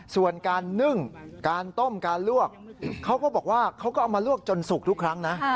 ส่วนการนึ่งการต้มการลวกเขาก็บอกว่าเขาก็เอามาลวกจนสุกทุกครั้งนะ